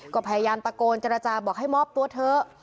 ก็พยายามตะโกนเจรจาบอกให้มอบตัวเถอะ